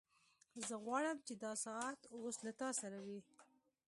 زه غواړم چې دا ساعت اوس له تا سره وي